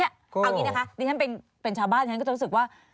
เอาอย่างนี้นะคะดิฉันเป็นชาวบ้านฉันก็จะรู้สึกว่า